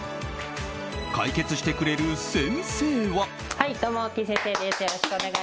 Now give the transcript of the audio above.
解決してくれる先生は。